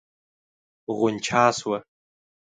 غنجا شوه.